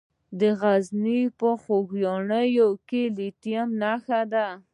د غزني په خوږیاڼو کې د لیتیم نښې شته.